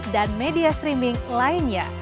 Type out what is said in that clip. dan media streaming lainnya